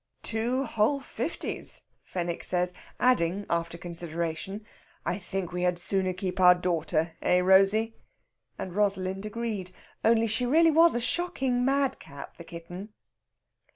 "Two whole fifties!" Fenwick says, adding after consideration: "I think we had sooner keep our daughter, eh, Rosey?" And Rosalind agreed. Only she really was a shocking madcap, the kitten!